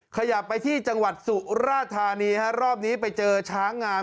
ขยับไปที่จังหวัดสุราธานีฮะรอบนี้ไปเจอช้างงาม